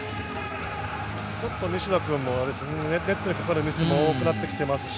ちょっと西田君もネットにかかるミスが多くなってきていますし。